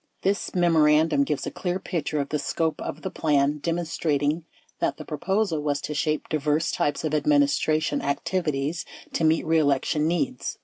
20 This memorandum gives a clear picture of the scope of the plan, demonstrating that the proposal was to shape diverse types of admin istration activities to meet reelection needs.